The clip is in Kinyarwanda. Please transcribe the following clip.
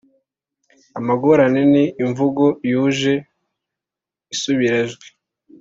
amagorane ni imvugo yuje isubirajwi